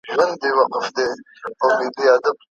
که ډېرې سرچيني ولولي ښه مقاله به ولیکې.